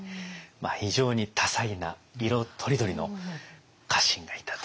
非常に多彩な色とりどりの家臣がいたと。